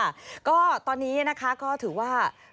ค่ะก็ตอนนี้นะคะก็ถือว่า